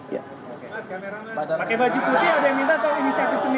pakai baju putih ada yang minta atau ini satu sendiri